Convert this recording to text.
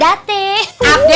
gaul pokoknya terupdate